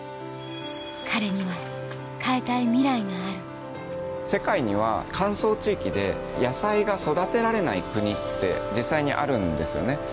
彼には変えたいミライがある世界には乾燥地域で野菜が育てられない国って実際にあるんですよね。